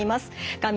画面